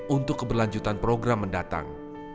untuk keberlanjutan program mendatang